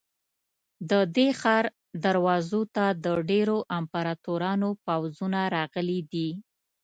د دې ښار دروازو ته د ډېرو امپراتورانو پوځونه راغلي دي.